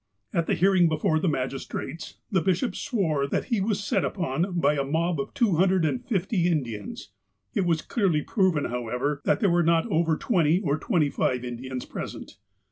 At the hearing before the magistrates, the bishop swore that he was set upon by a mob of two hundred and fifty Indians. It was clearly proven, however, that there were not over twenty or twenty five Indians present.